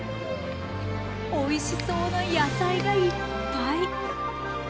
おいしそうな野菜がいっぱい。